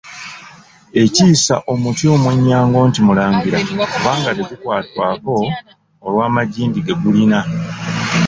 Ekiyisa omuti omwennyango nti Mulangira kubanga tegukwatwako olw’amagimbi ge gulina.